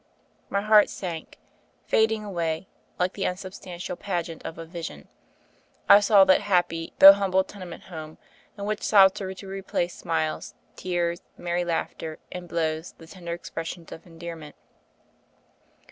My heart sank. Fading away, "like the un substantial pageant of a vision," I saw that happy, though humble tenement home, in which sobs were to replace smiles, tears, merry laugh ter, and blows, the tender expressions of endear ment.